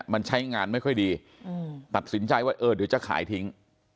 มันใช้งานไม่ค่อยดีตัดสินใจว่าเออเดี๋ยวจะขายทิ้ง